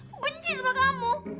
aku benci sama kamu